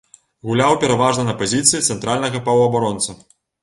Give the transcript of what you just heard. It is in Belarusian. Гуляў пераважна на пазіцыі цэнтральнага паўабаронцы.